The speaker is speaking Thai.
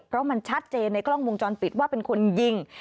เพราะมันชัดเจนในกล้องวงจรปิดว่าเป็นคนยิง